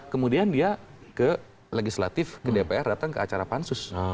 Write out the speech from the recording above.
kemudian dia ke legislatif ke dpr datang ke acara pansus